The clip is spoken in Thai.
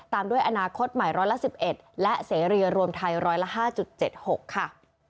ตามด้วยอนาคตใหม่ร้อยละ๑๑และเสรีรวมไทยร้อยละ๕๗๖ค่ะ